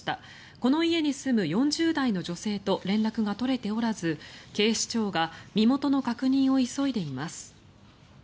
この家に住む４０代の女性と連絡が取れておらず警視庁が身元の確認を急いでいます。